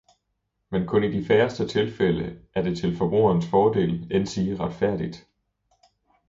Men kun i de færreste tilfælde er det til forbrugernes fordel, endsige retfærdigt.